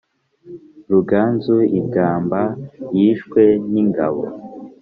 ruganzu i bwimba yishwe n'ingabo